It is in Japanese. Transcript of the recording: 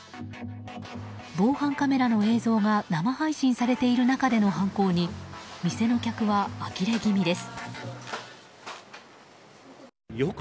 防犯カメラの映像が生配信されている中での犯行に店の客はあきれ気味です。